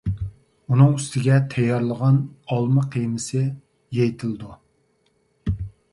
ئۇنىڭ ئۈستىگە تەييارلىغان ئالما قىيمىسى يېيىتىلىدۇ.